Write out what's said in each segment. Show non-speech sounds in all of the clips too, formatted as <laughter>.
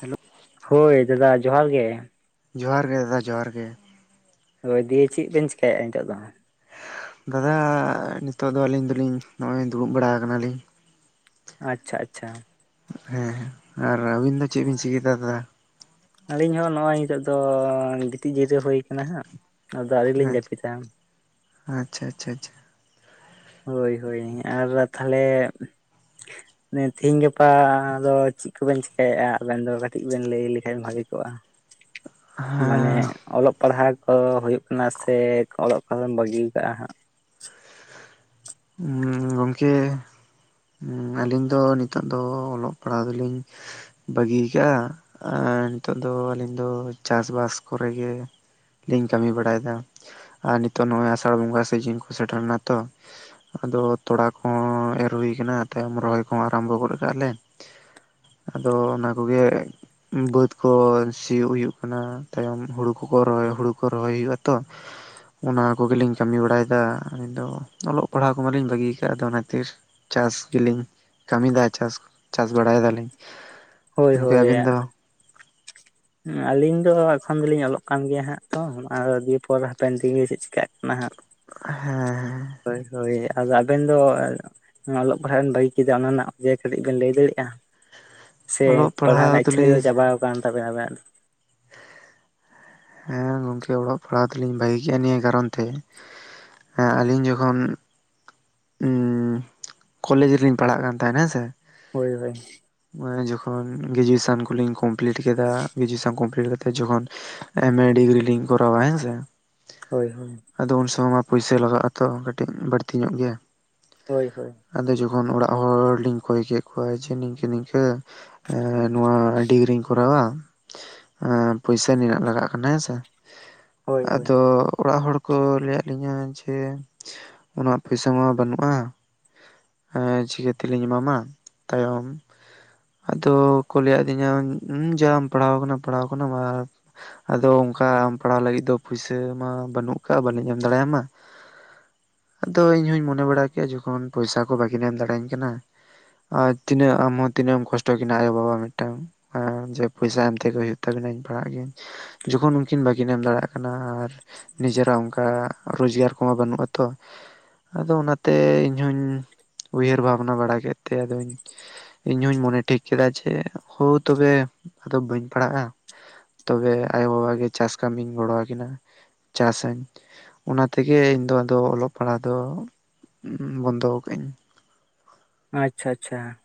Hello ᱦᱳᱭ ᱫᱟᱫᱟ ᱡᱚᱦᱟᱨ ᱜᱮᱼᱼ ᱡᱚᱦᱟᱨ ᱜᱮ ᱫᱟᱫᱟ ᱡᱚᱦᱟᱨ ᱜᱮ, ᱦᱳᱭ ᱫᱤᱭᱮ ᱪᱮᱫ ᱵᱮᱱ ᱪᱤᱠᱟᱭᱮᱫᱼᱟ ᱱᱤᱛᱚᱜ ᱫᱚ ᱫᱟᱫᱟ ᱱᱤᱛᱚᱜ ᱫᱚ ᱟᱹᱞᱤᱧ ᱫᱚᱞᱤᱧ ᱱᱚᱜᱼᱚᱭ ᱫᱩᱲᱩᱵ ᱵᱟᱲᱟ ᱟᱠᱟᱱᱟᱞᱤᱧ ᱟᱪᱪᱷᱟ ᱟᱪᱪᱷᱟ ᱦᱮᱸ ᱦᱮᱸ ᱟᱨ ᱟᱹᱵᱤᱱ ᱫᱚ ᱪᱮᱫ ᱵᱤᱱ ᱪᱤᱠᱟᱭ ᱫᱟ ᱫᱟᱫᱟᱼᱼ ᱟᱹᱞᱤᱧ ᱦᱚᱸ ᱱᱚᱜᱼᱚᱭ ᱱᱤᱛᱳᱜ ᱫᱚ ᱜᱤᱛᱤᱡ ᱡᱤᱨᱟᱹᱣ ᱦᱩᱭ ᱠᱟᱱᱟ ᱦᱟᱸᱜ ᱟᱫᱚ ᱟᱹᱣᱨᱤ ᱞᱤᱧ ᱡᱟᱹᱯᱤᱫᱟ ᱟᱪᱪᱷᱟ ᱟᱪᱪᱷᱟ ᱟᱪᱪᱷᱟ ᱦᱳᱭ ᱦᱳᱭ ᱟᱨ ᱛᱟᱦᱚᱞᱮᱼᱼ ᱛᱮᱦᱮᱧ ᱜᱟᱯᱟ ᱫᱚ ᱪᱮᱫ ᱠᱚᱵᱮᱱ ᱪᱮᱠᱟᱭᱮᱫᱼᱟ ᱟᱵᱮᱱ ᱫᱚ ᱠᱟᱹᱴᱤᱡ ᱵᱮᱱ ᱞᱟᱹᱭ ᱞᱮᱠᱷᱟᱱ ᱵᱷᱟᱹᱜᱤ ᱠᱚᱜᱼᱟ᱾ <inaudible> ᱢᱟᱱᱮ ᱦᱮᱸ ᱚᱞᱚᱜ ᱯᱟᱲᱦᱟᱣ ᱠᱚ ᱦᱩᱭᱩᱜ ᱠᱟᱱᱟ ᱥᱮ ᱚᱞᱚᱜ ᱯᱟᱲᱦᱟᱣᱮᱢ ᱵᱟᱹᱜᱤ ᱠᱟᱜᱼᱟ ᱦᱟᱸᱜ᱾ ᱩᱸ ᱜᱚᱝᱠᱮᱼᱼ ᱟᱞᱤᱧ ᱫᱚ ᱱᱤᱛᱚᱜ ᱫᱚ ᱚᱞᱚᱜ ᱯᱟᱲᱦᱟᱣ ᱫᱚᱞᱤᱧᱼᱼ ᱵᱟᱹᱜᱤ ᱠᱟᱜᱼᱟ ᱟᱨ ᱱᱤᱛᱚᱜ ᱫᱚ ᱟᱹᱞᱤᱧ ᱫᱚ ᱪᱟᱥᱵᱟᱥ ᱠᱚᱨᱮᱜ ᱜᱮᱼᱼ ᱞᱤᱧ ᱠᱟᱹᱢᱤ ᱵᱟᱲᱟᱭ ᱮᱫᱟ ᱟᱨ ᱱᱤᱛᱚᱜ ᱱᱚᱜᱼᱚᱭ ᱟᱥᱟᱲ ᱵᱚᱸᱜᱟ ᱥᱤᱡᱤᱱ ᱠᱚ ᱥᱮᱴᱮᱨᱱᱟ ᱛᱚ᱾ ᱟᱫᱚ ᱛᱚᱲᱟ ᱠᱚᱦᱚᱸ ᱮᱨ ᱦᱩᱭ ᱠᱟᱱᱟ ᱛᱟᱭᱚᱢ ᱨᱚᱦᱚᱭ ᱠᱚᱦᱚᱸ ᱟᱨᱟᱢᱵᱚ ᱜᱚᱫ ᱠᱟᱜᱟᱞᱮ᱾ ᱟᱫᱚ ᱚᱱᱟ ᱠᱚᱜᱮ᱾ ᱵᱟᱹᱫᱽ ᱠᱚ ᱥᱤᱭᱳᱜ ᱦᱩᱭᱩᱜ ᱠᱟᱱᱟ ᱛᱟᱭᱚᱢ ᱦᱩᱲᱩ ᱠᱚᱠᱚ ᱨᱚᱦᱟᱭ ᱦᱩᱲᱩ ᱠᱚ ᱨᱚᱦᱚᱭ ᱦᱩᱭᱩᱜᱼᱟ ᱛᱚ᱾ ᱚᱱᱟ ᱠᱚᱜᱮᱞᱤᱧ ᱠᱟᱹᱢᱤ ᱵᱟᱲᱟᱭᱮᱫᱟ ᱟᱹᱞᱤᱧ ᱫᱚ ᱚᱞᱚᱜᱼᱼ ᱯᱟᱲᱦᱟᱣ ᱠᱚᱢᱟᱞᱤᱧ ᱵᱟᱹᱜᱤ ᱠᱟᱜᱼᱟ ᱟᱫᱚ ᱚᱱᱟ ᱠᱷᱟᱹᱛᱤᱨ ᱪᱟᱥ ᱜᱮᱞᱤᱧᱼᱼ ᱠᱟᱹᱢᱤ ᱫᱟ ᱪᱟᱥ ᱪᱟᱥ ᱵᱟᱲᱟᱭ ᱫᱟᱞᱤᱧ ᱦᱳᱭ ᱜᱳᱝᱠᱮ ᱟᱹᱵᱤᱱ ᱫᱚ, ᱟᱞᱤᱧ ᱫᱚ ᱮᱠᱷᱚᱱ ᱫᱚᱞᱤᱧ ᱚᱞᱚᱜ ᱠᱟᱱ ᱜᱮᱭᱟ ᱦᱟᱸᱜ ᱛᱚ ᱫᱤᱭᱮ ᱯᱚᱨ ᱦᱟᱯᱮᱱ ᱫᱤᱱ ᱜᱮ ᱪᱮᱫ ᱪᱮᱟᱹᱜ ᱠᱟᱱᱟ ᱦᱟᱸᱜ᱾ ᱦᱮᱸ ᱦᱮᱸ᱾ ᱦᱳᱭ ᱦᱳᱭ ᱟᱫᱚ ᱟᱵᱮᱱ ᱫᱚ᱾ ᱚᱞᱚᱜ ᱯᱟᱲᱦᱟᱜ ᱵᱤᱱ ᱵᱟᱹᱜᱤ ᱠᱮᱫᱟ ᱚᱱᱟ ᱨᱮᱱᱟᱜ ᱜᱮ ᱠᱟᱹᱴᱤᱡ ᱵᱮᱱ ᱞᱟᱹᱭ ᱫᱟᱲᱮᱭᱟᱜᱼᱟ᱾ ᱥᱮ ᱚᱞᱚᱜ ᱯᱟᱲᱦᱟᱣ ᱨᱮᱱᱟᱜ ᱤᱪᱪᱷᱟᱹ ᱫᱚ ᱫᱚᱞᱤᱧ ᱪᱟᱵᱟᱣ ᱠᱟᱱ ᱛᱟᱵᱮᱱᱟ ᱟᱵᱮᱱᱟᱜ ᱫᱚ᱾ ᱦᱮᱸ ᱜᱚᱝᱠᱮ ᱚᱞᱚᱜ ᱯᱟᱲᱦᱟᱣ ᱫᱚᱞᱤᱧ ᱵᱷᱟᱜᱤ ᱠᱮᱜᱼᱟ ᱱᱤᱭᱟᱹ ᱠᱟᱨᱚᱱ ᱛᱮ ᱟᱹᱞᱤᱧ ᱡᱚᱠᱷᱚᱱᱼᱼ ᱠᱚᱞᱮᱡᱽ ᱨᱮᱞᱤᱧ ᱯᱟᱲᱦᱟᱜ ᱠᱟᱱ ᱛᱟᱦᱮᱸᱱᱟ ᱦᱮᱸᱥᱮᱼᱼ ᱦᱳᱭ ᱦᱳᱭ᱾ ᱱᱚᱭ ᱡᱚᱠᱷᱚᱱ ᱜᱨᱮᱡᱩᱭᱮᱥᱚᱱ ᱠᱚᱞᱤᱧ ᱠᱚᱢᱯᱤᱞᱤᱴ ᱠᱮᱫᱟ ᱜᱨᱮᱡᱩᱭᱮᱥᱚᱱ ᱠᱚᱢᱯᱞᱤᱴ ᱠᱟᱛᱮ᱾ ᱡᱚᱠᱷᱱ ᱮᱢ ᱮ ᱰᱤᱜᱽᱨᱤ ᱞᱤᱝ ᱠᱚᱨᱟᱣ ᱟ ᱦᱮᱸᱥᱮᱸᱼᱼ ᱦᱳᱭ ᱦᱳᱭ᱾ ᱟᱫᱚ ᱩᱱ ᱥᱩᱢᱳᱭ ᱢᱟ ᱯᱩᱭᱥᱟ ᱞᱟᱜᱟᱜ ᱟᱛᱚ ᱠᱟᱹᱴᱤᱡ ᱵᱟᱹᱲᱛᱤ ᱧᱚᱜ ᱜᱮ ᱾ ᱦᱳᱭ ᱦᱳᱭ ᱾ ᱟᱫᱚ ᱡᱚᱠᱷᱚᱱ ᱚᱲᱟᱜ ᱦᱚᱲᱞᱤᱧ ᱠᱚᱭ ᱠᱮᱫ ᱠᱚᱣᱟ ᱡᱮ ᱱᱤᱝᱠᱟᱹ ᱱᱤᱝᱠᱟᱹ ᱾ ᱮ ᱱᱚᱣᱟ ᱰᱤᱜᱽᱨᱤᱧ ᱠᱚᱨᱟᱣᱟ ᱾ ᱯᱩᱭᱥᱟᱹ ᱱᱤᱱᱟᱹᱜ ᱞᱟᱜᱟᱜ ᱠᱟᱱᱟ ᱦᱮᱸᱥᱮᱸ᱾ ᱦᱳᱭ ᱦᱳᱭ ᱟᱫᱚ ᱚᱲᱟᱜ ᱦᱚᱲᱠᱩ ᱞᱟᱹᱭ ᱟᱫ ᱞᱤᱧᱟᱹ ᱡᱮ ᱚᱱᱟ ᱯᱩᱥᱟᱼᱼ ᱟᱢᱟ ᱵᱟᱹᱱᱩᱜᱼᱟ ᱪᱤᱠᱟᱹ ᱛᱮᱞᱤᱧ ᱮᱢᱟᱢᱟ ᱛᱟᱭᱚᱢ ᱾ ᱟᱫᱚ ᱠᱚ ᱞᱮᱭᱟᱫ ᱞᱤᱧᱟ ᱡᱟᱢ ᱯᱟᱲᱦᱟᱣ ᱠᱟᱱᱟ ᱯᱟᱲᱦᱟᱣ ᱠᱟᱱᱟᱢ ᱟᱨ ᱾ ᱟᱫᱚ ᱚᱱᱠᱟ ᱟᱢ ᱯᱟᱲᱦᱟᱣ ᱞᱟᱹᱜᱤᱫ ᱫᱚ ᱯᱩᱭᱥᱟᱹ ᱢᱟ ᱵᱟᱹᱱᱩᱜ ᱠᱟᱜ ᱵᱟᱹᱞᱤᱧ ᱮᱢ ᱫᱟᱲᱮᱭᱟᱢᱟ ᱾ ᱟᱫᱚ ᱤᱧ ᱦᱚᱧ ᱢᱚᱱᱮ ᱵᱟᱲᱟ ᱠᱮᱜ-ᱟ ᱡᱚᱠᱷᱚᱱ ᱯᱩᱭᱥᱟ ᱠᱚ ᱵᱟᱹᱠᱤᱱ ᱮᱢ ᱫᱟᱲᱮᱟᱹᱧ ᱠᱟᱱᱟ᱾ ᱟᱨ ᱛᱤᱱᱟᱹᱜ ᱟᱢᱦᱚᱸ ᱛᱤᱱᱟᱹᱜ ᱮᱢ ᱠᱚᱥᱴᱚ ᱠᱤᱱᱟ ᱟᱭᱳᱵᱟᱵᱟ ᱢᱤᱫᱴᱟᱝ᱾ ᱦᱮᱸ ᱡᱮ ᱯᱩᱭᱥᱟ ᱮᱢᱛᱮᱜᱮ ᱦᱳᱭᱳᱜ ᱛᱟᱵᱤᱱᱟ ᱤᱧ ᱯᱟᱲᱦᱟᱜ ᱜᱤᱭᱟᱹᱧ ᱾ ᱡᱚᱠᱷᱚᱱ ᱩᱱᱠᱤᱱ ᱵᱟᱹᱠᱤᱱ ᱮᱢ ᱫᱟᱲᱮᱭᱟᱜ ᱠᱟᱱᱟ ᱟᱨ ᱾ ᱱᱤᱡᱮᱨᱟᱜ ᱚᱱᱠᱟ ᱨᱳᱡᱽᱜᱟᱨ ᱠᱚᱢᱟ ᱵᱟᱹᱱᱩᱜ ᱟᱛᱚ ᱾ ᱟᱫᱚ ᱚᱱᱟᱛᱮ ᱤᱧᱦᱚᱧ ᱩᱭᱦᱟᱹᱨ ᱵᱷᱟᱵᱽᱱᱟ ᱵᱟᱲᱟ ᱠᱮᱫ ᱛᱮ ᱟᱫᱚᱧ ᱾ ᱤᱧᱦᱩᱧ ᱢᱚᱱᱮ ᱴᱷᱤᱠ ᱠᱮᱫᱟ ᱡᱮ ᱦᱳ ᱛᱚᱵᱮ ᱟᱫᱚ ᱵᱟᱹᱧ ᱯᱟᱲᱦᱟᱜᱼᱟ ᱾ ᱛᱚᱵᱮ ᱟᱭᱳᱵᱟᱵᱟᱜ ᱜᱮ ᱪᱟᱥ ᱠᱟᱹᱢᱤᱧ ᱜᱚᱲᱚᱣᱟᱠᱤᱱᱟ ᱾ ᱪᱟᱥᱟᱹᱧ ᱚᱱᱟ ᱛᱮᱜᱮ ᱤᱧ ᱫᱚ ᱟᱫᱚ ᱚᱞᱚᱜ ᱯᱟᱲᱦᱟᱟ ᱾ ᱫᱚ ᱵᱚᱱᱫᱚ ᱠᱟᱹᱜ ᱟᱹᱧ ᱾ ᱟᱪᱪᱷᱟ ᱟᱪᱪᱷᱟ ᱾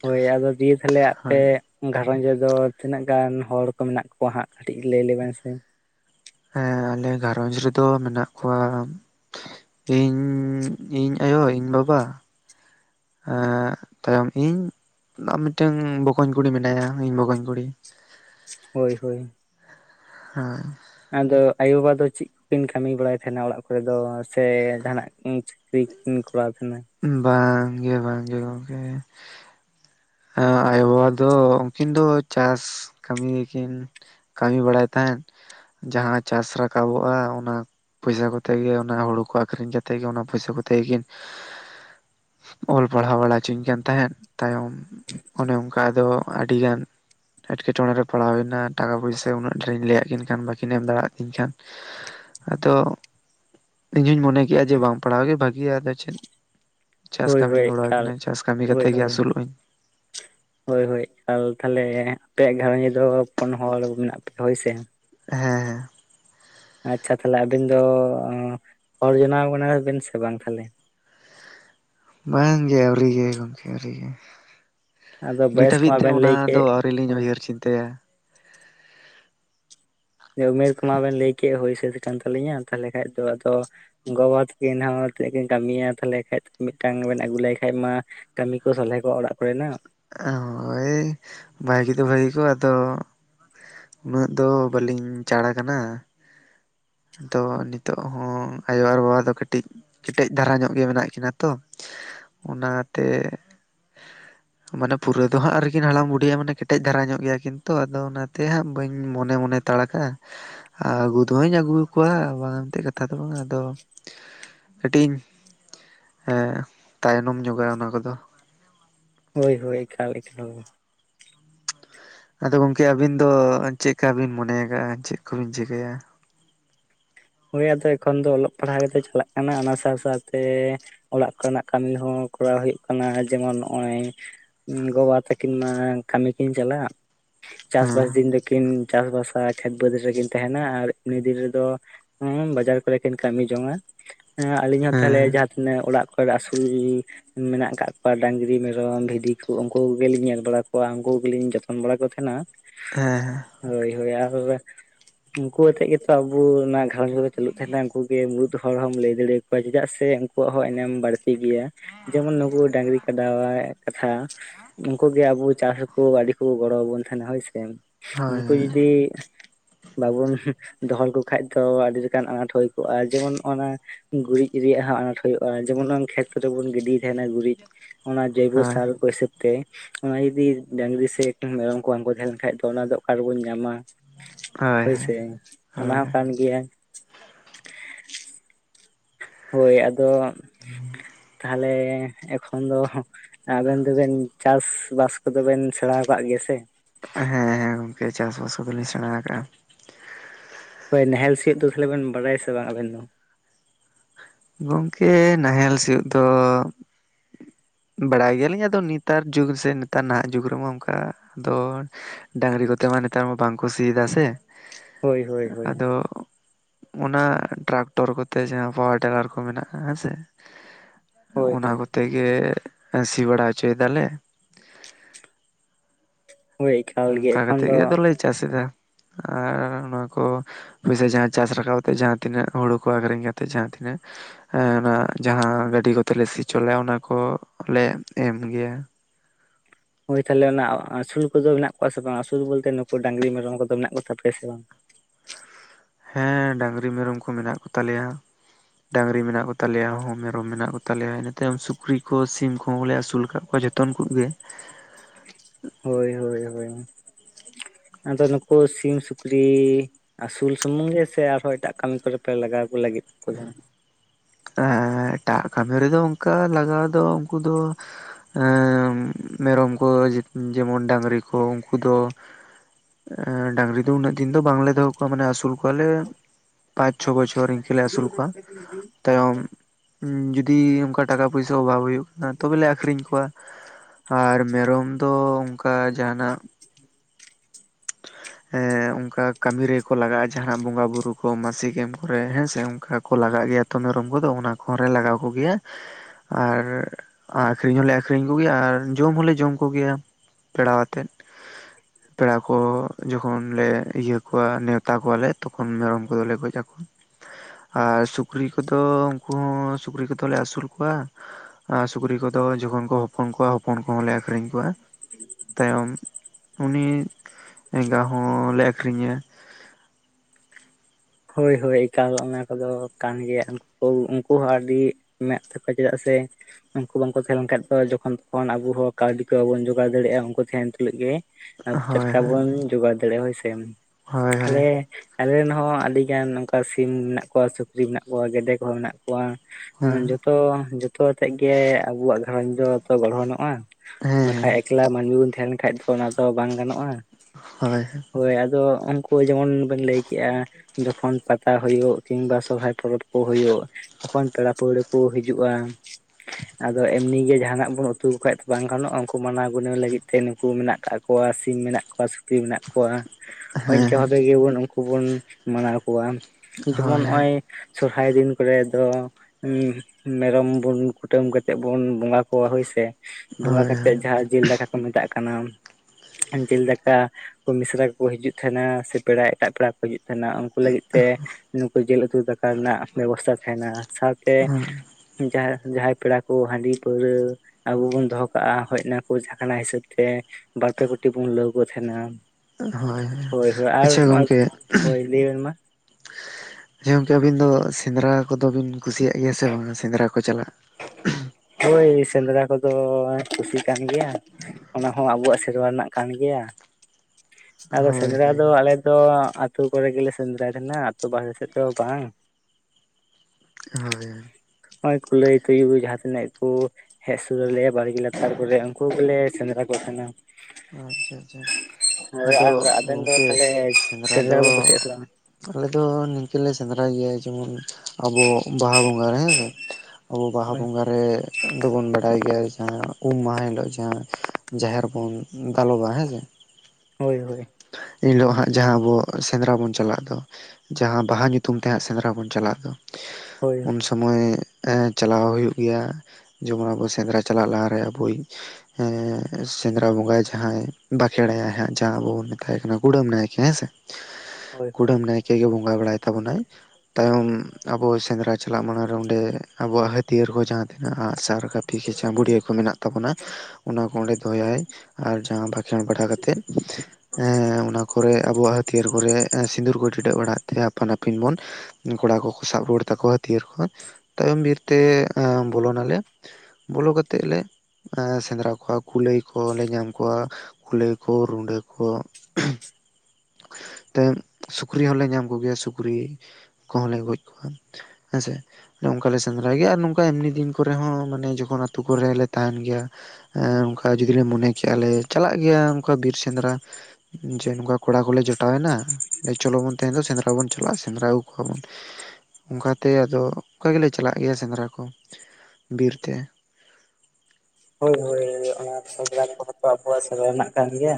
ᱦᱳᱭ ᱟᱫᱚ ᱫᱤᱭᱮ ᱛᱟᱦᱚᱞᱮ ᱟᱯᱮ ᱦᱳᱭ ᱾ ᱜᱷᱟᱨᱚᱧᱡᱽ ᱨᱮᱫᱚ ᱛᱤᱱᱟᱹᱜ ᱜᱟᱱ ᱦᱚᱲ ᱠᱚ ᱢᱮᱱᱟᱜ ᱠᱚᱣᱟ ᱦᱟᱸᱜ ᱠᱟᱹᱴᱤᱡ ᱞᱟᱹᱭ ᱞᱮᱵᱮᱱ ᱥᱮ? ᱦᱮᱸ ᱟᱞᱮ ᱜᱷᱟᱨᱚᱡᱽ ᱨᱮᱫᱚ ᱢᱮᱱᱟᱜ ᱠᱚᱣᱟ ᱾ ᱤᱧ, ᱤᱧ ᱟᱭᱳ, ᱤᱧ ᱵᱟᱵᱟ ᱾ ᱮᱜ ᱛᱟᱭᱚᱢ ᱤᱧ ᱾ ᱢᱤᱫᱴᱮᱱ ᱵᱚᱠᱚᱧ ᱠᱩᱲᱤ ᱢᱮᱱᱟᱭᱟ ᱤᱧ ᱵᱚᱠᱚᱧ ᱠᱩᱲᱤ ᱾ ᱦᱳᱭ ᱦᱳᱭ ᱾ ᱦᱟᱸ ᱾ ᱟᱫᱚ ᱟᱭᱳ ᱵᱟᱵᱟ ᱫᱚ ᱪᱮᱫ ᱠᱚᱠᱤᱱ ᱠᱟᱹᱢᱤ ᱵᱟᱲᱟᱭ ᱛᱟᱦᱮᱱᱟ ᱚᱲᱟᱜ ᱠᱚᱨᱮ ᱫᱚ ᱥᱮ ᱡᱟᱦᱱᱟᱜ ᱠᱤᱱ ᱠᱤᱱ ᱠᱚᱨᱟᱣ ᱛᱟᱦᱮᱱᱟ? ᱵᱟᱝᱜᱮ ᱵᱟᱝᱜᱮ ᱜᱚᱝᱠᱮ ᱾ ᱟᱭᱳ ᱵᱟᱵᱟ ᱫᱚ ᱩᱱᱠᱤᱱ ᱫᱚ ᱪᱟᱥ ᱠᱟᱹᱢᱤ ᱜᱮᱠᱤᱱ ᱾ ᱠᱟᱹᱢᱤ ᱵᱟᱲᱟᱭ ᱛᱟᱦᱮᱸᱫ, ᱡᱟᱦᱟᱸ ᱪᱟᱥ ᱨᱟᱠᱟᱵᱚᱜᱼᱟ ᱚᱱᱟ ᱯᱚᱭᱥᱟ ᱠᱚᱛᱮ ᱜᱮ ᱚᱱᱟ ᱦᱳᱲᱳ ᱠᱚ ᱟᱠᱷᱨᱤᱧ ᱠᱟᱛᱮ ᱜᱮ ᱚᱱᱟ ᱯᱩᱭᱥᱟ ᱠᱚᱛᱮ ᱠᱤᱱ ᱾ ᱚᱞ ᱯᱟᱲᱦᱟᱣ ᱵᱟᱲᱟ ᱦᱚᱪᱚᱧᱤᱧ ᱠᱟᱱ ᱛᱟᱦᱮᱸᱫ ᱛᱟᱭᱚᱢ ᱚᱱᱮ ᱚᱱᱠᱟ ᱟᱫᱚ ᱟᱹᱰᱤᱜᱟᱱ ᱾ ᱮᱸᱴᱠᱮᱴᱚᱬᱮ ᱨᱮ ᱯᱟᱲᱟᱣᱮᱱᱟ ᱴᱟᱠᱟ ᱯᱩᱭᱥᱟ ᱩᱱᱟᱹᱜ ᱰᱷᱮᱨᱤᱧ ᱞᱟᱹ ᱭᱟᱜ ᱠᱤᱱ ᱠᱷᱟᱱ ᱵᱟᱠᱤᱱ ᱮᱢ ᱫᱟᱲᱮᱭᱟᱫ ᱛᱤᱧ ᱠᱷᱟᱱ ᱾ ᱟᱫᱚ ᱤᱧᱦᱚᱧ ᱢᱚᱱᱮ ᱠᱮᱫᱼᱟ, ᱡᱮ ᱵᱟᱝ ᱯᱟᱲᱦᱟᱣ ᱜᱮ ᱵᱷᱟᱜᱮᱭᱟ ᱟᱫᱚ ᱪᱮᱫ ᱾ ᱦᱳᱭ ᱦᱳᱭ ᱮᱠᱟᱞ ᱪᱟᱥ ᱠᱟᱹᱢᱤ ᱠᱟᱛᱮ ᱦᱳᱭ ᱜᱮ ᱦᱳᱭ ᱾ ᱟᱹᱥᱩᱞᱚᱜ ᱟᱹᱧ ᱦᱳᱭ ᱦᱳᱭ ᱮᱠᱟᱞ ᱛᱟᱦᱚᱞᱮ ᱟᱯᱮᱭᱟᱜ ᱜᱷᱟᱨᱚᱸᱧᱡᱽ ᱨᱮᱫᱚ ᱯᱳᱱ ᱦᱚᱲ ᱢᱮᱱᱟᱜ ᱯᱮᱭᱟ ᱦᱳᱭ ᱥᱮ? ᱦᱮᱸ ᱦᱮᱸ ᱾ ᱟᱪᱪᱷᱟ ᱛᱟᱦᱚᱞᱮ ᱟᱵᱤᱱ ᱫᱚ ᱦᱚᱲ ᱡᱚᱱᱟᱣ ᱟᱠᱟᱱᱟᱵᱤᱱ ᱥᱮ ᱵᱟᱝ ᱛᱟᱦᱚᱞᱮ? ᱵᱟᱝ ᱜᱮ ᱟᱹᱣᱨᱤ ᱜᱮ ᱜᱚᱢᱠᱮ ᱟᱹᱣᱨᱤ ᱜᱮ ᱾ ᱟᱫᱚ ᱱᱤᱛ ᱵᱚᱭᱮᱥ ᱦᱟᱹᱵᱤᱡ ᱠᱚᱢᱟ ᱛᱮ ᱵᱮᱱ ᱚᱱᱟ ᱞᱟᱹᱭ ᱫᱚ ᱠᱮᱫ ᱟᱹᱣᱨᱤ ᱞᱤᱧ ᱦᱳᱭ ᱩᱭᱦᱟᱹᱨ ᱪᱤᱱᱛᱟᱹᱭᱟ ᱾ ᱩᱢᱮᱨ ᱠᱚᱢᱟ ᱵᱮᱱ ᱞᱟᱹᱭ ᱠᱮᱫ ᱦᱳᱭ ᱥᱟᱹᱛ ᱠᱟᱱᱛᱟᱞᱤᱧᱟ ᱛᱟᱦᱚᱞᱮ ᱠᱷᱟᱡᱽ ᱫᱚ ᱟᱫᱚ ᱜᱚ ᱵᱟᱵᱟ ᱛᱟᱹᱠᱤᱱ ᱦᱟᱸᱜ ᱛᱤᱱᱟᱹᱜ ᱠᱤᱱ ᱠᱟᱢᱤᱭᱟ ᱛᱟᱦᱚᱞᱮ ᱠᱷᱟᱡᱽ ᱢᱤᱫᱴᱟᱝ ᱵᱮᱱ ᱟᱹᱜᱩ ᱞᱮᱡᱽ ᱠᱷᱟᱡᱽ ᱢᱟ ᱾ ᱠᱟᱹᱢᱤ ᱠᱚ ᱥᱚᱞᱦᱮ ᱠᱚᱜᱼᱟ ᱚᱲᱟᱜ ᱠᱚᱨᱮᱱᱟᱜ ᱾ ᱚ ᱦᱳᱭ ᱵᱷᱟᱜᱤ ᱫᱚ ᱵᱷᱟᱜᱤ ᱠᱚᱜᱼᱟ ᱟᱫᱚ ᱾ ᱩᱱᱟᱹᱜ ᱫᱚ ᱵᱟᱹᱞᱤᱧ ᱪᱟᱲ ᱠᱟᱱᱟ ᱾ ᱛᱚ ᱱᱤᱛᱚᱜ ᱦᱚᱸ ᱟᱭᱳ ᱟᱨ ᱵᱟᱵᱟ ᱫᱚ ᱠᱟᱹᱴᱤᱡ ᱠᱮᱴᱮᱡ ᱫᱷᱟᱨᱟ ᱧᱚᱜᱼᱜᱮ ᱢᱮᱱᱟᱜ ᱠᱤᱱᱟᱹ ᱛᱚ᱾ ᱚᱱᱟ ᱛᱮ ᱢᱟᱱᱮ ᱯᱩᱨᱟᱹ ᱫᱚ ᱦᱟᱸᱜ ᱟᱣᱨᱤᱠᱤᱱ ᱦᱟᱲᱟᱢ ᱵᱩᱰᱦᱤᱼᱟᱜ ᱢᱟᱱᱮ ᱠᱮᱴᱮᱡ ᱫᱷᱟᱨᱟ ᱧᱚᱜ ᱜᱮᱭᱟ ᱠᱤᱱ ᱛᱚ ᱟᱫᱚ ᱚᱱᱟᱛᱮ ᱦᱟᱸᱜ ᱵᱟᱹᱧ ᱢᱚᱱᱮ ᱢᱚᱱᱮ ᱛᱮ ᱛᱟᱲ ᱠᱟᱜᱼᱟ ᱟᱹᱜᱩ ᱫᱚ ᱦᱟᱹᱧ ᱟᱹᱜᱩ ᱠᱚᱣᱟ ᱵᱟᱝ ᱮᱱᱛᱮᱫ ᱠᱟᱛᱷᱟ ᱫᱚ ᱵᱟᱝᱟ ᱟᱫᱚ ᱠᱟᱹᱴᱤᱡ ᱤᱧ ᱛᱟᱭᱱᱚᱢ ᱧᱚᱜᱟ ᱚᱱᱟ ᱠᱚ ᱫᱚ ᱾ ᱦᱳᱭ ᱦᱳᱭ ᱮᱠᱟᱞ ᱮᱠᱟᱞ ᱾ ᱟᱫᱚ ᱜᱚᱝᱠᱮ ᱟᱹᱵᱤᱱ ᱫᱚ ᱪᱮᱫᱠᱟ ᱵᱤᱱ ᱢᱚᱱᱮ ᱟᱠᱟᱜᱼᱟ ᱪᱮᱫ ᱠᱚ ᱵᱤᱱ ᱪᱤᱠᱟᱹᱭᱟ? ᱦᱳᱭ ᱟᱫᱚ ᱮᱠᱷᱚᱱ ᱫᱚ ᱚᱞᱚᱜ ᱯᱟᱲᱦᱟᱣ ᱜᱮ ᱛᱚ ᱪᱟᱞᱟᱜ ᱠᱟᱱᱟ ᱾ ᱚᱱᱟ ᱥᱟᱶ ᱥᱟᱶᱛᱮ ᱚᱲᱟᱜ ᱠᱚ ᱨᱮᱱᱟᱜ ᱠᱟᱹᱢᱤ ᱦᱚᱸ ᱠᱚᱨᱟᱣ ᱦᱩᱭᱩᱜ ᱠᱟᱱᱟ ᱾ ᱡᱮᱢᱚᱱ ᱱᱚᱜᱼᱚᱭ ᱜᱚᱼᱵᱟ ᱛᱟᱹᱠᱤᱱ ᱢᱟ ᱠᱟᱹᱢᱤ ᱠᱤᱱ ᱪᱟᱞᱟᱜ ᱾ ᱪᱟᱥᱵᱟᱥ ᱦᱮᱸ ᱫᱤᱱ ᱫᱚ ᱠᱤᱱ ᱪᱟᱥᱵᱟᱥᱟ ᱠᱷᱮᱛ ᱵᱟᱹᱫᱽ ᱨᱮ ᱠᱤᱱ ᱛᱟᱦᱮᱱᱟ ᱟᱨ ᱮᱢᱱᱤ ᱫᱤᱱ ᱨᱮ ᱫᱚ ᱦᱩᱸ ᱵᱟᱡᱟᱨ ᱠᱚ ᱨᱮ ᱠᱤᱱ ᱠᱟᱹᱢᱤ ᱡᱚᱝᱼᱟ ᱾ ᱦᱮᱸ ᱟᱞᱤᱧ ᱦᱚᱸ ᱛᱟᱦᱚᱞᱮ ᱦᱮᱸ ᱢᱟ- ᱛᱤᱱᱟᱹᱜ ᱚᱲᱟᱜ ᱠᱚ ᱨᱮ ᱟᱹᱥᱩᱞ ᱢᱮᱱᱟᱜ ᱟᱠᱟᱫ ᱠᱚᱣᱟ ᱰᱟᱝᱨᱤ ᱢᱮᱨᱚᱢ ᱵᱷᱤᱫᱤ ᱠᱚ ᱩᱱᱠᱩ ᱠᱚᱜᱮ ᱞᱤᱧ ᱧᱮᱞ ᱵᱟᱲᱟ ᱠᱚᱣᱟ ᱩᱱᱠᱩ ᱠᱚᱜᱮ ᱞᱤᱧ ᱡᱚᱛᱚᱱ ᱵᱟᱲᱟ ᱠᱚ ᱛᱟᱦᱮᱸᱱᱟ ᱾ ᱦᱮᱸ ᱦᱮᱸ ᱾ ᱦᱳᱭ ᱦᱳᱭ ᱟᱨ ᱩᱱᱠᱩ ᱟᱛᱮᱫ ᱜᱮ ᱛᱚ ᱟᱵᱚ ᱚᱱᱟ ᱜᱷᱟᱨᱚᱸᱡᱽ ᱨᱮᱵᱚ ᱪᱟᱹᱞᱩ ᱛᱟᱦᱮᱱᱟ ᱾ ᱩᱱᱠᱩ ᱜᱮ ᱢᱩᱬᱩᱫ ᱦᱚᱲ ᱦᱚᱢ ᱞᱟᱹᱭ ᱫᱟᱲᱮ ᱟᱠᱚᱣᱟ ᱪᱮᱫᱟᱜ ᱥᱮ ᱩᱱᱠᱩᱣᱟᱜ ᱦᱚᱸ ᱮᱱᱮᱢ ᱵᱟᱹᱲᱛᱤ ᱜᱮᱭᱟ ᱾ ᱡᱮᱢᱚᱱ ᱱᱩᱠᱩ ᱰᱟᱝᱨᱤ ᱠᱟᱰᱟ- ᱵᱟ ᱟᱜ ᱠᱟᱛᱷᱟ ᱩᱱᱠᱩ ᱜᱮ ᱟᱵᱚ ᱪᱟᱥᱠᱩ ᱟᱹᱰᱤ ᱠᱚ ᱜᱚᱲᱚ ᱟᱵᱚᱱ ᱛᱟᱦᱮᱱᱟ ᱦᱳᱭᱥᱮ ᱾ ᱦᱳᱭ ᱩᱱᱠᱩ ᱡᱩᱫᱤ ᱵᱟᱵᱩᱱ ᱫᱚᱦᱚ ᱞᱮᱠᱚ ᱠᱷᱟᱡ ᱛᱚ ᱟᱹᱰᱤ ᱞᱮᱠᱟᱱ ᱟᱱᱟᱴ ᱦᱩᱭ ᱠᱚᱜᱼᱟ ᱡᱮᱢᱚᱱ ᱚᱱᱟ ᱜᱩᱨᱤᱡ ᱨᱮᱭᱟᱜ ᱦᱚᱸ ᱟᱱᱟᱴ ᱦᱩᱭᱩᱜᱼᱟ ᱡᱮᱢᱚᱱ ᱠᱷᱮᱛ ᱠᱚ ᱨᱮ ᱵᱚᱱ ᱜᱤᱰᱤᱭ ᱛᱟᱦᱮᱱᱟ ᱜᱩᱨᱤᱡ ᱾ ᱚᱱᱟ ᱡᱚᱭᱵᱚ ᱦᱳᱭ ᱥᱟᱨ ᱳᱭᱥᱚᱵ ᱛᱮ ᱚᱱᱟ ᱡᱩᱫᱤ ᱰᱟᱺᱝᱨᱤ ᱥᱮ ᱢᱤᱫᱴᱮᱱ ᱢᱮᱨᱚᱢ ᱠᱚ ᱵᱟᱝ ᱠᱚ ᱛᱟᱦᱮ ᱞᱮᱱ ᱠᱷᱟᱡ ᱛᱚ ᱚᱱᱟ ᱫᱚ ᱚᱠᱟ ᱨᱮᱵᱚᱱ ᱧᱟᱢᱟ ᱾ ᱦᱳᱭ ᱦᱳᱭ ᱦᱳᱭ ᱦᱳᱭᱥᱮ ᱚᱱᱟ ᱦᱳᱭ ᱦᱚᱸ ᱠᱟᱱ ᱜᱮᱭᱟ ᱾ ᱦᱳᱭ ᱟᱫᱚ ᱛᱟᱦᱚᱞᱮ ᱮᱠᱷᱚᱱ ᱫᱚ ᱦᱚᱸᱜ ᱟᱵᱮᱱ ᱫᱚᱵᱮᱱ ᱪᱟᱥᱵᱟᱥ ᱠᱚ ᱫᱚ ᱵᱮᱱ ᱥᱮᱬᱟᱣ ᱠᱟᱜ ᱜᱮᱭᱟ ᱥᱮ ᱦᱮᱸ ᱦᱮᱸ ᱜᱚᱝᱠᱮ ᱪᱟᱥ ᱵᱟᱥ ᱠᱚ ᱫᱚ ᱞᱤᱧ ᱥᱮᱬᱟ ᱠᱟᱜᱼᱟ ᱾ ᱦᱳᱭ ᱱᱟᱦᱮᱞ ᱥᱤᱭᱳᱜ ᱫᱚ ᱛᱟᱦᱚᱞᱮ ᱵᱮᱱ ᱵᱟᱰᱟᱭᱟ ᱥᱮ ᱵᱟᱝ ᱟᱵᱮᱱ ᱫᱚ? ᱜᱚᱝᱠᱮ ᱱᱟᱦᱮᱞ ᱥᱤᱭᱳᱜ ᱫᱚ ᱵᱟᱲᱟᱭ ᱜᱮᱭᱟᱞᱤᱧ ᱟᱫᱚ ᱱᱤᱛᱟᱨ ᱡᱩᱜᱽ ᱥᱮ ᱱᱮᱛᱟᱨ ᱱᱟᱦᱟᱜ ᱡᱩᱜᱽ ᱨᱮᱢᱟ ᱚᱱᱠᱟ ᱫᱚ ᱰᱟᱺᱝᱨᱤ ᱠᱚ ᱛᱮ ᱢᱟ ᱱᱮᱛᱟᱨ ᱢᱟ ᱵᱟᱝᱠᱚ ᱥᱤᱭᱮᱫᱟ ᱥᱮ ᱦᱳᱭ ᱦᱳᱭ ᱦᱳᱭ ᱟᱫᱚ ᱚᱱᱟ ᱴᱨᱟᱠᱴᱚᱨ ᱠᱚ ᱛᱮ ᱡᱟᱦᱟᱸ ᱯᱟᱴ ᱴᱮᱞᱟᱨ ᱠᱚ ᱢᱮᱱᱟᱜᱼᱟ ᱦᱮᱸᱥᱮ ᱦᱳᱭ ᱚᱱᱟ ᱦᱳᱭ ᱠᱚ ᱛᱮ ᱜᱮ ᱥᱤ ᱵᱟᱲᱟ ᱦᱚᱪᱚᱭ ᱫᱟᱞᱮ ᱾ ᱦᱳᱭ ᱮᱠᱟᱞ ᱜᱮ ᱚᱱᱠᱟ ᱮᱠᱷᱚᱱ ᱠᱟᱛᱮᱜ ᱫᱚ ᱜᱮ ᱟᱫᱚᱞᱮ ᱪᱟᱥ ᱮᱫᱟ ᱟᱨ ᱚᱱᱟ ᱠᱚ ᱯᱚᱭᱥᱟ ᱡᱟᱦᱟᱸ ᱪᱟᱥ ᱨᱟᱠᱟᱵ ᱠᱟᱛᱮ ᱡᱟᱦᱟᱸ ᱛᱤᱱᱟᱹᱜ ᱦᱩᱲᱩ ᱠᱚ ᱟᱠᱷᱨᱤᱧ ᱠᱟᱛᱮ ᱡᱟᱦᱟᱸ ᱛᱤᱱᱟᱹᱜ ᱦᱮᱸ ᱚᱱᱟ ᱡᱟᱦᱟᱸ ᱜᱟᱹᱰᱤ ᱠᱚ ᱛᱮᱞᱮ ᱥᱤ ᱦᱚᱪᱚᱞᱮᱜ ᱟ ᱚᱱᱟ ᱠᱚ ᱞᱮ ᱮᱢ ᱜᱮᱭᱟ ᱾ ᱦᱳᱭ ᱛᱟᱦᱚᱞᱮ ᱚᱱᱟ ᱟᱹᱥᱩᱞ ᱠᱚᱫᱚ ᱢᱮᱱᱟᱜ ᱠᱚᱣᱟ ᱥᱮ ᱵᱟᱝ ᱟᱹᱥᱩᱞ ᱵᱚᱞᱛᱮ ᱱᱩᱠᱩ ᱰᱟᱺᱝᱨᱤ ᱢᱮᱨᱚᱢ ᱠᱚᱫᱚ ᱢᱮᱱᱟᱜ ᱠᱚ ᱛᱟᱯᱮᱭᱟ ᱥᱮ ᱵᱟᱝ? ᱦᱮᱸ ᱰᱟᱺᱝᱨᱤ ᱢᱮᱨᱚᱢ ᱠᱚ ᱢᱮᱱᱟᱜ ᱠᱚ ᱛᱟᱞᱮᱭᱟ ᱾ ᱰᱟᱝᱨᱤ ᱢᱮᱱᱟᱜ ᱠᱚ ᱛᱟᱞᱮᱭᱟ ᱢᱮᱨᱚᱢ ᱢᱮᱱᱟᱜ ᱠᱚ ᱛᱟᱞᱮᱭᱟ ᱤᱱᱟᱹ ᱛᱟᱭᱚᱢ ᱥᱩᱠᱨᱤ ᱠᱚ ᱥᱤᱢ ᱠᱚᱦᱚᱸ ᱞᱮ ᱟᱹᱥᱩᱞ ᱠᱟᱫ ᱠᱚᱣᱟ ᱡᱚᱛ ᱛᱚᱢ ᱠᱚ ᱜᱮ ᱾ ᱦᱳᱭ ᱦᱳᱭ ᱦᱳᱭ ᱟᱫᱚ ᱱᱩᱠᱩ ᱥᱤᱢ ᱥᱩᱠᱨᱤ ᱟᱥᱩᱞ ᱥᱩᱢᱩᱝ ᱜᱮ ᱥᱮ ᱟᱨᱦᱚᱸ ᱮᱴᱟᱜ ᱠᱟᱹᱢᱤ ᱠᱚ ᱨᱮ ᱯᱮ ᱞᱟᱜᱟᱣ ᱠᱚ ᱞᱟᱹᱜᱤᱫ ᱾ ᱮᱼᱦ ᱮᱴᱟᱜ ᱠᱟᱹᱢᱤ ᱨᱮ ᱫᱚ ᱚᱱᱠᱟ ᱞᱟᱜᱟᱣ ᱫᱚ ᱩᱱᱠᱩ ᱫᱚ ᱮᱢ ᱢᱮᱨᱚᱢ ᱠᱚ ᱡᱮᱼᱡᱮᱢᱚᱱ ᱰᱟᱺᱝᱨᱤ ᱠᱚ ᱩᱱᱠᱩ ᱫᱚ ᱮ ᱰᱟᱺᱝᱨᱤ ᱫᱚ ᱩᱱᱟᱹᱜ ᱫᱤᱱ ᱫᱚ ᱵᱟᱝᱞᱮ ᱫᱚᱦᱚ ᱠᱚᱣᱟ ᱢᱟᱱᱮ ᱟᱹᱥᱩᱞ ᱠᱚᱣᱟᱞᱮ ᱯᱟᱸᱪ ᱪᱷᱚ ᱵᱚᱪᱷᱚᱨ ᱤᱱᱠᱟᱹ ᱞᱮ ᱟᱹᱥᱩᱞ ᱠᱚᱣᱟ ᱾ <inaudible> ᱛᱟᱭᱚᱢ ᱡᱩᱫᱤ ᱚᱱᱠᱟ ᱴᱟᱠᱟ ᱯᱚᱭᱥᱟᱹ ᱚᱵᱷᱟᱵᱽ ᱦᱩᱭᱩᱜ ᱠᱟᱱᱟ ᱛᱚᱵᱮ ᱞᱮ ᱟᱹᱠᱷᱨᱤᱧ ᱠᱚᱣᱟ᱾ ᱟᱨ ᱢᱮᱨᱚᱢ ᱫᱚ ᱚᱱᱠᱟ ᱡᱟᱦᱟᱱᱟᱜ ᱮᱸ <inaudible> ᱚᱱᱠᱟ ᱠᱟᱹᱢᱤ ᱨᱮᱠᱚ ᱞᱟᱜᱟᱜᱼᱟ ᱡᱟᱦᱟᱸ ᱵᱚᱸᱜᱟ ᱵᱩᱨᱩ ᱠᱚ ᱢᱟᱥᱤᱠ ᱮᱢ ᱠᱚᱨᱮ ᱦᱮᱸ ᱥᱮ ᱚᱱᱠᱟ ᱠᱚ ᱞᱟᱜᱟᱜ ᱜᱮᱭᱟ᱾ ᱢᱮᱨᱚᱢ ᱠᱚᱫᱚ ᱚᱱᱟ ᱠᱷᱚᱸᱲ ᱨᱮ ᱞᱟᱜᱟᱣ ᱠᱚᱜᱮᱭᱟ᱾ ᱟᱨ ᱟᱹᱠᱷᱨᱤᱧ ᱦᱚᱞᱮ ᱟᱹᱠᱷᱨᱤᱧ ᱠᱚᱜᱮᱭᱟ ᱟᱨ ᱡᱚᱢ ᱦᱚᱞᱮ ᱡᱚᱢ ᱠᱚᱜᱮᱭᱟ᱾ ᱯᱮᱲᱟ ᱟᱛᱮᱫ ᱯᱮᱲᱟ ᱠᱚ, ᱡᱚᱠᱷᱚᱱ ᱞᱮ ᱤᱭᱟᱹ ᱠᱚᱣᱟ ᱱᱮᱶᱛᱟ ᱠᱚᱣᱟᱞᱮ ᱛᱚᱠᱷᱚᱱ ᱢᱮᱨᱚᱢ ᱠᱚᱫᱚᱞᱮ ᱜᱚᱡᱽ ᱟᱠᱚᱣᱟ᱾ ᱟᱨ ᱥᱩᱠᱨᱤ ᱠᱚᱫᱚ ᱩᱱᱠᱩ ᱦᱚᱸ ᱥᱩᱠᱨᱤ ᱠᱚᱫᱚᱞᱮ ᱟᱹᱥᱩᱞ ᱠᱚᱣᱟ᱾ ᱟᱨ ᱥᱩᱠᱨᱤ ᱠᱚᱫᱚ ᱡᱚᱠᱷᱚᱱ ᱠᱚ ᱦᱚᱯᱚᱱ ᱠᱚᱣᱟ ᱦᱚᱯᱚᱱ ᱠᱚᱦᱚᱸᱞᱮ ᱟᱹᱠᱷᱨᱤᱧ ᱠᱚᱣᱟ᱾ ᱛᱟᱭᱚᱢ ᱩᱱᱤ ᱮᱸᱜᱟ ᱦᱚᱸᱞᱮ ᱟᱹᱠᱷᱨᱤᱧᱮᱭᱟ᱾ ᱦᱳᱭ ᱦᱳᱭ ᱮᱠᱟᱞ ᱚᱱᱟ ᱠᱚᱫᱚ ᱠᱟᱱ ᱜᱮᱭᱟ ᱩᱱᱠᱩ ᱩᱱᱠᱩ ᱦᱚᱸ ᱟᱹᱰᱤ ᱢᱮᱱᱟᱜ ᱛᱟᱠᱚᱣᱟ ᱪᱮᱫᱟᱜ ᱥᱮ, ᱩᱱᱠᱩ ᱵᱟᱝᱠᱚ ᱛᱟᱦᱮᱸ ᱞᱮᱱ ᱠᱷᱟᱡ ᱫᱚ ᱡᱚᱠᱷᱚᱱ ᱛᱚᱠᱷᱚᱱ ᱟᱵᱚ ᱦᱚᱸ ᱠᱟᱹᱣᱰᱤ ᱠᱚ ᱵᱟᱵᱚᱱ ᱡᱚᱜᱟᱲ ᱫᱟᱲᱮᱭᱟᱜᱼᱟ ᱩᱱᱠᱩ ᱛᱟᱦᱮᱸᱱ ᱛᱩᱞᱩᱡ ᱜᱮ ᱦᱳᱭ ᱪᱮᱥᱴᱟ ᱦᱳᱭ ᱵᱚᱱ ᱡᱚᱜᱟᱲ ᱫᱟᱲᱮᱭᱟ ᱦᱳᱭᱥᱮ, ᱦᱳᱭ ᱦᱳᱭ ᱟᱞᱮ ᱟᱞᱮ ᱨᱮᱱ ᱦᱚᱸ ᱟᱹᱰᱤ ᱡᱟᱦᱟᱸ ᱱᱚᱝᱠᱟ ᱥᱤᱢ ᱢᱮᱱᱟᱜ ᱠᱚᱣᱟ, ᱥᱩᱠᱨᱤ ᱢᱮᱱᱟᱜ ᱠᱚᱣᱟ, ᱜᱮᱰᱮ ᱠᱚᱦᱚᱸ ᱢᱮᱱᱟᱜ ᱠᱚᱣᱟ, ᱦᱮᱸ ᱡᱚ ᱛᱚ ᱡᱷᱚᱛᱚ ᱟᱛᱮᱫ ᱜᱮ ᱟᱵᱚᱣᱟᱜ ᱜᱷᱟᱨᱚᱸᱡᱽ ᱫᱚ ᱛᱚ ᱜᱚᱲᱦᱚᱱᱚᱜᱼᱟ᱾ ᱵᱟᱠᱷᱟᱡ ᱦᱮᱸ ᱮᱠᱞᱟ ᱢᱟᱹᱱᱢᱤ ᱵᱚᱱ ᱛᱟᱦᱮᱸ ᱞᱮᱱ ᱠᱷᱟᱡ ᱫᱚ ᱚᱱᱟ ᱫᱚ ᱵᱟᱝ ᱜᱟᱱᱚᱜᱼᱟ᱾ ᱦᱳᱭ᱾ ᱦᱳᱭ ᱟᱫᱚ ᱩᱱᱠᱩ ᱡᱮᱢᱚᱱ ᱵᱮᱱ ᱞᱟᱹᱭ ᱠᱮᱜᱼᱟ, ᱡᱚᱠᱷᱚᱱ ᱯᱟᱛᱟ ᱦᱳᱭᱳᱜ ᱠᱤᱝᱵᱟ ᱥᱚᱨᱦᱟᱭ ᱯᱚᱨᱚᱵᱽ ᱠᱚ ᱦᱳᱭᱳᱜ, ᱛᱚᱠᱷᱚᱱ ᱯᱮᱲᱟ ᱯᱟᱹᱲᱦᱟᱹ ᱠᱚ ᱦᱤᱡᱩᱜᱼᱟ᱾ ᱟᱫᱚ ᱮᱢᱱᱤ ᱜᱮ ᱡᱟᱦᱟᱸᱱᱟᱜ ᱵᱚᱱ ᱩᱛᱩ ᱠᱷᱟᱡ ᱵᱟᱝ ᱠᱷᱟᱱ ᱩᱱᱠᱩ ᱢᱟᱱᱟᱣ ᱜᱩᱱᱟᱹᱣ ᱞᱟᱹᱜᱤᱫ ᱛᱮ ᱱᱩᱠᱩ ᱢᱮᱱᱟᱜ ᱠᱟᱜ ᱠᱚᱣᱟ, ᱥᱤᱢ ᱢᱮᱱᱟᱜ ᱠᱚᱣᱟ, ᱥᱩᱠᱨᱤ ᱢᱮᱱᱟᱜ ᱠᱚᱣᱟ, ᱚᱱᱠᱟ ᱦᱮᱸ ᱛᱮ ᱜᱮ ᱩᱱᱠᱩ ᱵᱚᱱ ᱢᱟᱱᱟᱣ ᱠᱚᱣᱟ, ᱡᱮᱢᱚᱱ ᱦᱳᱭ ᱱᱚᱜᱼᱚᱭ ᱥᱚᱨᱦᱟᱭ ᱫᱤᱱ ᱠᱚᱨᱮ ᱫᱚ ᱩᱸᱱ ᱢᱮᱨᱚᱢ ᱵᱚᱱ ᱠᱩᱴᱟᱹᱢ ᱠᱟᱛᱮᱜ ᱵᱚᱱ ᱵᱚᱸᱜᱟ ᱠᱚᱣᱟ ᱦᱳᱭᱥᱮ᱾ ᱵᱚᱸᱜᱟ ᱦᱳᱭ ᱠᱟᱛᱮᱜ ᱡᱟᱦᱟᱸ ᱡᱮᱞ ᱫᱟᱠᱟ ᱠᱚ ᱢᱮᱛᱟᱜ ᱠᱟᱱᱟ, ᱡᱮᱞ ᱫᱟᱠᱟ ᱢᱤᱥᱨᱟ ᱠᱚᱠᱚ ᱦᱤᱡᱩᱜ ᱛᱟᱦᱮᱸᱱᱟ ᱥᱮ ᱯᱮᱲᱟ ᱮᱴᱟᱜ ᱯᱮᱲᱟ ᱠᱚ ᱦᱤᱡᱩᱜ ᱛᱟᱦᱮᱸᱱᱟ ᱩᱱᱠᱩ ᱞᱟᱹᱜᱤᱫ ᱛᱮ ᱱᱩᱠᱩ ᱡᱮᱞ ᱩᱛᱩ ᱫᱟᱠᱟ ᱨᱮᱱᱟᱜ ᱵᱮᱵᱚᱥᱛᱟ ᱛᱟᱦᱮᱸᱱᱟ, ᱥᱟᱶ ᱛᱮ ᱦᱳᱭ ᱡᱟᱦᱟᱸ ᱡᱟᱦᱟᱸᱭ ᱯᱮᱲᱟ ᱠᱚ ᱦᱟᱺᱰᱤ, ᱯᱟᱹᱣᱨᱟᱹ ᱟᱵᱚ ᱵᱚᱱ ᱫᱚᱦᱚ ᱠᱟᱜᱼᱟ, ᱦᱳᱭ ᱚᱱᱟᱠᱚ ᱡᱷᱟᱠᱱᱟ ᱦᱤᱥᱟᱹᱵ ᱛᱮ ᱵᱟᱨ ᱯᱮ ᱠᱩᱴᱤ ᱵᱚᱱ ᱞᱟᱹᱣ ᱠᱚ ᱛᱟᱦᱮᱸᱱᱟ᱾ ᱦᱳᱭ ᱦᱳᱭ, ᱟᱪᱷᱟ ᱜᱚᱢᱠᱮ ᱦᱳᱭ, ᱞᱟᱹᱭ ᱵᱤᱱ ᱢᱟ᱾ ᱦᱮᱸ ᱜᱚᱢᱠᱮ ᱟᱹᱵᱤᱱ ᱫᱚ ᱥᱮᱸᱫᱽᱨᱟ ᱠᱚᱫᱚ ᱵᱤᱱ ᱠᱩᱥᱤᱭᱟᱜ ᱜᱮᱭᱟ ᱥᱮ ᱵᱟᱝᱟ ᱥᱮᱸᱫᱽᱨᱟ ᱠᱚ ᱪᱟᱞᱟᱜ? ᱦᱳᱭ ᱥᱮᱸᱫᱽᱨᱟ ᱠᱚᱫᱚ ᱠᱩᱥᱤ ᱠᱟᱱ ᱜᱮᱭᱟ᱾ ᱚᱱᱟ ᱦᱚᱸ ᱟᱵᱚᱣᱟᱜ ᱥᱮᱨᱣᱟ ᱨᱮᱱᱟᱜ ᱠᱟᱱ ᱜᱮᱭᱟ᱾ ᱟᱫᱚ ᱦᱳᱭ ᱥᱮᱸᱫᱽᱨᱟ ᱦᱳᱭ ᱫᱚ ᱟᱞᱮ ᱫᱚ ᱟᱹᱛᱩ ᱠᱚᱨᱮ ᱜᱮᱞᱮ ᱥᱮᱸᱫᱽᱨᱟᱭ ᱛᱟᱦᱮᱸᱱᱟ, ᱟᱹᱛᱩ ᱵᱟᱦᱟᱨᱮ ᱥᱮᱫ ᱫᱚ ᱵᱟᱝ᱾ ᱦᱳᱭ ᱦᱳᱭ᱾ ᱱᱚᱜ-ᱚᱭ ᱠᱩᱞᱟᱹᱭ ᱛᱩᱭᱩ ᱡᱟᱦᱟᱸ ᱛᱤᱱᱟᱹᱜ ᱜᱮᱠᱚ ᱦᱮᱡ ᱥᱩᱨ ᱟᱞᱮᱭᱟ ᱵᱟᱲᱜᱮ ᱞᱟᱛᱟᱨ ᱠᱚᱨᱮ, ᱩᱱᱠᱩ ᱜᱮᱞᱮ ᱥᱮᱸᱫᱽᱨᱟ ᱠᱚ ᱛᱟᱦᱮᱸᱱᱟ᱾ ᱟᱪᱷᱟ ᱟᱪᱷᱟ, ᱟᱫᱚ ᱟᱨ ᱟᱵᱮᱱ ᱫᱚ ᱜᱚᱝᱠᱮ ᱛᱟᱦᱚᱞᱮ ᱥᱮᱸᱫᱽᱨᱟ ᱫᱚ ᱵᱮᱱ ᱠᱩᱥᱤᱭᱟᱜᱼᱟ ᱥᱮ ᱵᱟᱝ ᱟᱞᱮ ᱫᱚ ᱱᱤᱝᱠᱟᱹ ᱞᱮ ᱥᱮᱸᱫᱽᱨᱟᱭ ᱜᱮᱭᱟ, ᱡᱮᱢᱚᱱ ᱟᱵᱚ ᱵᱟᱦᱟ ᱵᱚᱸᱜᱟ ᱨᱮ ᱦᱮᱸᱥᱮ᱾ ᱟᱵᱚ ᱵᱟᱦᱟ ᱦᱳᱭ ᱵᱚᱸᱜᱟᱨᱮ ᱫᱚᱵᱚᱱ ᱵᱟᱰᱟᱭ ᱜᱮᱭᱟ, ᱡᱟᱦᱟᱸ ᱩᱢ ᱢᱟᱦᱟ ᱦᱤᱞᱳᱜ ᱡᱟᱦᱟᱸ ᱡᱟᱦᱮᱨ ᱵᱚᱱ ᱫᱟᱞᱚᱵᱟ ᱦᱮᱸᱥᱮ᱾ ᱦᱳᱭ ᱦᱳᱭ᱾ ᱮᱱᱦᱤᱞᱳᱜ ᱦᱟᱸᱜ ᱡᱟᱦᱟᱸ ᱟᱵᱚ ᱥᱮᱸᱫᱽᱨᱟ ᱵᱚᱱ ᱪᱟᱞᱟᱜ ᱫᱚ, ᱡᱟᱦᱟᱸ ᱵᱟᱦᱟ ᱧᱩᱛᱩᱢ ᱛᱮ ᱦᱟᱸᱜ ᱥᱮᱸᱫᱽᱨᱟ ᱵᱚᱱ ᱪᱟᱞᱟᱜ ᱫᱚ, ᱦᱳᱭ ᱩᱱ ᱥᱚᱢᱳᱭ ᱮᱸ ᱪᱟᱞᱟᱣ ᱦᱩᱭᱩᱜ ᱜᱮᱭᱟ, ᱡᱮᱢᱚᱱ ᱟᱵᱚ ᱥᱮᱸᱫᱽᱨᱟ ᱪᱟᱞᱟᱜ ᱞᱟᱦᱟ ᱨᱮ ᱟᱵᱚᱭᱤᱡ ᱮᱸ ᱥᱮᱸᱫᱽᱨᱟ ᱵᱚᱸᱜᱟᱭ ᱡᱟᱦᱟᱸᱭ ᱵᱟᱸᱠᱷᱮᱲᱟᱭᱟᱭ ᱦᱟᱸᱜ ᱡᱟᱦᱟᱸ ᱟᱵᱚ ᱵᱚᱱ ᱢᱮᱛᱟᱭ ᱠᱟᱱᱟ ᱠᱩᱰᱟᱹᱢ ᱱᱟᱭᱠᱮ ᱦᱮᱸᱥᱮ, ᱦᱳᱭ ᱦᱳᱭ ᱠᱩᱰᱟᱹᱢ ᱱᱟᱭ ᱤᱝᱠᱟᱹ ᱜᱮ ᱵᱚᱸᱜᱟ ᱵᱟᱲᱟᱭ ᱛᱟᱵᱚᱱᱟᱭ ᱛᱟᱭᱚᱢ ᱟᱵᱚ ᱥᱮᱸᱫᱽᱨᱟ ᱪᱟᱞᱟᱜ ᱢᱟᱲᱟᱝᱨᱮ ᱚᱸᱰᱮ ᱟᱵᱚᱣᱟᱜ ᱦᱟᱹ ᱦᱟᱹᱛᱭᱟᱹᱨ ᱠᱚᱸ ᱡᱟᱦᱟᱸ ᱛᱤᱱᱟᱜ ᱟᱜ ᱥᱟᱨ ᱠᱟᱹᱯᱤ ᱠᱷᱮᱪᱟ ᱵᱩᱰᱤᱭᱟᱹ ᱠᱚ ᱢᱮᱱᱟᱜ ᱛᱟᱵᱚᱱᱟ, ᱚᱱᱟ ᱠᱚ ᱚᱸᱰᱮ ᱫᱚᱦᱚᱭᱟᱭ᱾ ᱟᱨ ᱡᱟᱦᱟᱸ ᱵᱟᱸᱠᱷᱮᱬ ᱵᱟᱲᱟ ᱠᱟᱛᱮᱜ ᱮᱸ ᱚᱱᱟ ᱠᱚ ᱠᱚᱨᱮ ᱟᱵᱚᱣᱟᱜ ᱦᱟᱹᱛᱭᱟᱹᱨ ᱠᱚᱨᱮᱜ ᱥᱤᱸᱫᱩᱨ ᱠᱚ ᱴᱤᱰᱟᱹᱜ ᱵᱲᱟᱜ ᱛᱮ ᱟᱯᱟᱱ ᱟᱹᱯᱤᱱ ᱵᱚᱱ ᱠᱚᱲᱟ ᱠᱚᱠᱚ ᱥᱟᱵ ᱨᱩᱣᱟᱹᱲ ᱛᱟᱠᱚᱣᱟ ᱦᱟᱹᱛᱭᱟᱹᱨ ᱠᱚ, ᱛᱟᱭᱚᱢ ᱵᱤᱨᱛᱮ ᱵᱚᱞᱚᱱᱟᱞᱮ᱾ ᱵᱚᱞᱚ ᱠᱟᱛᱮᱫ ᱞᱮ ᱮᱸ ᱥᱮᱸᱫᱽᱨᱟ ᱠᱚᱣᱟ ᱠᱩᱞᱟᱹᱭ ᱠᱚᱞᱮ ᱧᱟᱢ ᱠᱚᱣᱟ ᱠᱩᱞᱦᱟᱹᱭ ᱠᱚ ᱨᱩᱸᱰᱟᱹ ᱠᱚ ᱛᱟᱭᱚᱢ ᱥᱩᱠᱨᱤ ᱦᱚᱸᱞᱮ ᱧᱟᱢ ᱠᱚᱜᱮᱭᱟ, ᱥᱩᱠᱨᱤ ᱠᱚᱦᱚᱸᱞᱮ ᱜᱚᱡ ᱠᱚᱣᱟ ᱦᱮᱸᱥᱮ? ᱱᱚᱱᱠᱟ ᱞᱮ ᱥᱮᱸᱫᱽᱨᱟᱭ ᱜᱮᱭᱟ, ᱟᱨ ᱱᱚᱝᱠᱟ ᱮᱢᱱᱤ ᱫᱤᱱ ᱠᱚᱨᱮ ᱦᱚᱸ ᱢᱟᱱᱮ ᱡᱚᱠᱷᱚᱱ ᱟᱛᱳ ᱠᱚᱨᱮ ᱞᱮ ᱛᱟᱦᱮᱱ ᱜᱮᱭᱟ ᱾ ᱚᱱᱠᱟ ᱡᱚᱫᱤ ᱞᱮ ᱢᱚᱱᱮ ᱠᱮᱭᱟ ᱞᱮ ᱪᱟᱞᱟᱜ ᱜᱮᱭᱟ ᱚᱝᱠᱟ ᱵᱤᱨ ᱥᱮᱸᱫᱽᱨᱟ᱾ ᱡᱮ ᱱᱚᱝᱠᱟ ᱠᱚᱲᱟ ᱠᱚᱞᱮ ᱡᱚᱴᱟᱣᱮᱱᱟ ᱪᱚᱞᱚ ᱵᱚᱱ ᱛᱮᱸᱦᱮᱧ ᱫᱚ ᱥᱮᱸᱫᱽᱨᱟ ᱵᱚᱱ ᱪᱟᱞᱟᱜᱼᱟ, ᱥᱮᱸᱫᱽᱨᱟ ᱟᱹᱜᱩ ᱠᱚᱣᱟ ᱵᱚᱱ ᱾ ᱚᱱᱠᱟᱛᱮ ᱟᱫᱚ ᱚᱱᱠᱟ ᱜᱮᱞᱮ ᱪᱟᱞᱟᱜ ᱜᱮᱭᱟ ᱥᱮᱸᱫᱽᱨᱟ ᱠᱚ ᱵᱤᱨᱛᱮ ᱾ ᱦᱳᱭ ᱦᱳᱭ ᱚᱱᱟ ᱥᱮᱸᱫᱽᱨᱟ ᱠᱚᱦᱚᱸ ᱛᱚ ᱟᱵᱚᱣᱟᱜ ᱥᱮᱨᱣᱟ ᱨᱮᱱᱟᱜ ᱠᱟᱱ ᱜᱮᱭᱟ᱾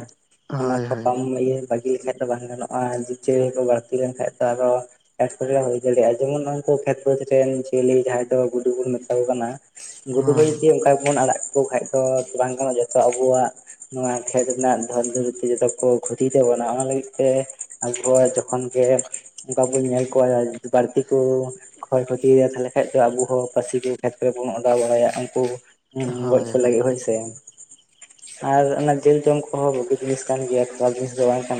ᱚᱱᱟ ᱦᱳᱭ ᱠᱚ ᱦᱳᱭ ᱠᱚᱢ ᱤᱭᱟᱹ ᱵᱟᱹᱜᱤ ᱞᱮᱠᱷᱟᱡ ᱫᱚ ᱵᱟᱝ ᱜᱟᱱᱚᱜᱼᱟ ᱡᱤᱵᱽᱼᱡᱤᱭᱟᱹᱞᱤ ᱠᱚ ᱵᱟᱹᱲᱛᱤ ᱞᱮᱱᱠᱷᱟᱡ ᱫᱚ ᱟᱨᱚ ᱮᱴᱠᱮᱴᱚᱲᱮ ᱦᱩᱭ ᱫᱟᱲᱮᱭᱟᱜᱼᱟ, ᱡᱮᱢᱚᱱ ᱩᱱᱠᱩ ᱠᱷᱮᱛ ᱵᱟᱹᱫᱽ ᱨᱮᱱ ᱡᱤᱭᱟᱹᱞᱤ ᱡᱟᱦᱟᱸᱭ ᱫᱚ ᱜᱩᱰᱩ ᱵᱚᱱ ᱢᱮᱛᱟ ᱠᱚ ᱠᱟᱱᱟ ᱾ ᱜᱩᱰᱩ ᱦᱚᱸ ᱡᱩᱫᱤ ᱚᱱᱠᱟ ᱜᱮᱵᱚᱱ ᱟᱲᱟᱜ ᱠᱟᱠᱚ ᱠᱷᱟᱡ ᱫᱚ ᱵᱟᱝ ᱜᱟᱱᱚᱜᱼᱟ ᱡᱚᱛᱚ ᱟᱵᱚᱣᱟᱜ ᱱᱚᱣᱟ ᱠᱷᱮᱛ ᱨᱮᱱᱟᱜ ᱫᱷᱚᱱ ᱫᱩᱨᱛᱤ ᱡᱚᱛᱚ ᱠᱚ ᱠᱷᱩᱛᱤ ᱛᱟᱵᱚᱱᱟ᱾ ᱚᱱᱟ ᱞᱟᱹᱜᱤᱫ ᱛᱮ <unintelligible> ᱡᱚᱠᱷᱚᱱ ᱜᱮ ᱚᱱᱠᱟ ᱵᱚᱱ ᱧᱮᱞ ᱠᱚᱣᱟ ᱵᱟᱹᱲᱛᱤ ᱠᱚ ᱠᱷᱚᱭ ᱠᱷᱚᱛᱤᱭᱟ ᱛᱟᱦᱞᱮ ᱠᱷᱟᱱ ᱫᱚ ᱟᱵᱚ ᱦᱚᱸ ᱯᱟᱹᱥᱤ ᱜᱮ ᱠᱷᱮᱛ ᱠᱚᱨᱮ ᱵᱚᱱ ᱚᱰᱟᱣ ᱵᱟᱲᱟᱭᱟ ᱾ ᱩᱱᱠᱩ ᱦᱩᱸ ᱜᱚᱡ ᱦᱳᱭ ᱠᱚ ᱦᱳᱭ ᱞᱟᱹᱜᱤᱫ ᱦᱚᱭ ᱥᱮ ᱾ ᱟᱨ ᱚᱱᱟ ᱡᱮᱞ ᱡᱚᱢ ᱠᱚᱦᱚᱸ ᱵᱷᱟᱹᱜᱤ ᱡᱤᱱᱤᱥ ᱠᱟᱱ ᱜᱮᱭᱟ, ᱠᱷᱟᱨᱟᱵ ᱡᱤᱱᱤᱥ ᱫᱚ ᱵᱟᱝ ᱠᱟᱱᱟ ᱮᱱᱛᱮ ᱾